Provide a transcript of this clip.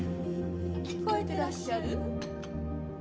聞こえてらっしゃる？